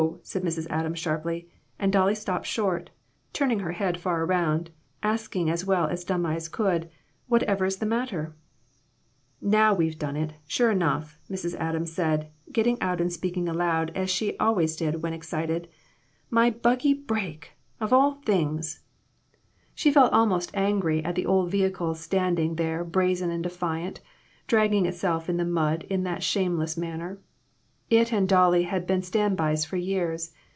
said Mrs. Adams sharply, and Dolly stopped short, turning her head far around, ask ing as well as dumb eyes could, " Whatever is the matter ?" "Now we've done it, sure enough," Mrs. Adams said, getting out and speaking aloud, as she always did when excited ;" my buggy break ! Of all things !" 108 IMPROMPTU VISITS. She felt almost angry at the old vehicle stand ing there brazen and defiant, dragging itself in the mud in that shameless manner. It and Dolly had been standbys for years.